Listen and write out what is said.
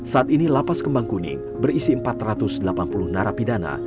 saat ini lapas kembang kuning berisi empat ratus delapan puluh narapidana